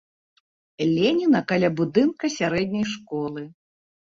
Леніна каля будынка сярэдняй школы.